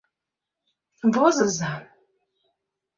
Возыза!